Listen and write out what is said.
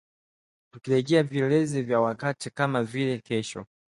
Tukirejelea vielezi vya wakati kama vile kesho